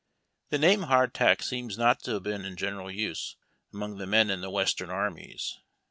The name hardtack seems not to have been in general use among the men in the Western armies.